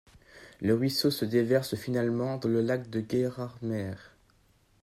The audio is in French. Le ruisseau se déverse finalement dans le lac de Gérardmer.